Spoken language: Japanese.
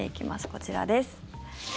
こちらです。